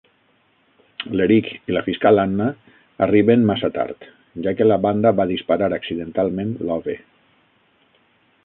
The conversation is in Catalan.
L'Erik i la fiscal Anna arriben massa tard, ja que la banda va disparar "accidentalment" l'Ove.